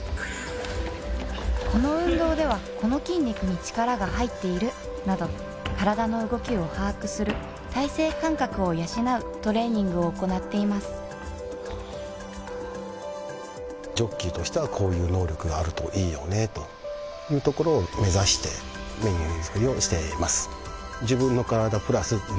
この運動ではこの筋肉に力が入っているなど身体の動きを把握する体性感覚を養うトレーニングを行っていますジョッキーとしてはこういう能力があるといいよねというところを目指してメニュー作りをしてます